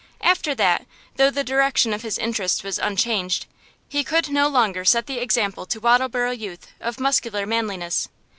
After that, though the direction of his interests was unchanged, he could no longer set the example to Wattleborough youth of muscular manliness.